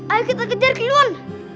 ayo kita kejar ke luar